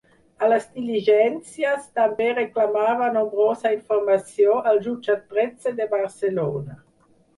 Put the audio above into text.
A les diligències també reclamava nombrosa informació al jutjat tretze de Barcelona.